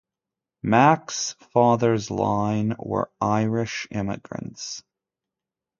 Mack's father's line were Irish immigrants.